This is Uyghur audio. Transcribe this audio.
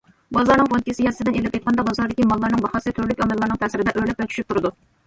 بازارنىڭ فۇنكسىيەسىدىن ئېلىپ ئېيتقاندا، بازاردىكى ماللارنىڭ باھاسى تۈرلۈك ئامىللارنىڭ تەسىرىدە ئۆرلەپ ۋە چۈشۈپ تۇرىدۇ.